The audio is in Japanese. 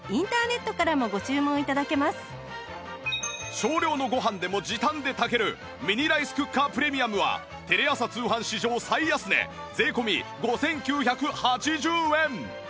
少量のご飯でも時短で炊けるミニライスクッカープレミアムはテレ朝通販史上最安値税込５９８０円